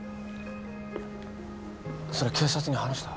それ警察に話した？